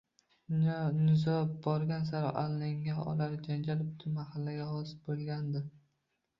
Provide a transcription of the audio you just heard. Nizo borgan sari alanga olar, janjal butun mahallaga ovoza bo`lgandi